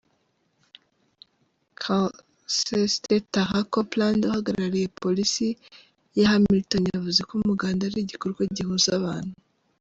Cst Tara Copeland, uhagarariye Polisi ya Hamilton yavuze ko umuganda ari igikorwa gihuza abantu.